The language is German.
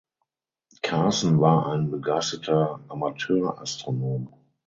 Carson war ein begeisterter Amateurastronom.